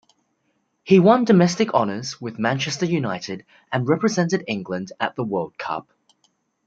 He won domestic honours with Manchester United and represented England at the World Cup.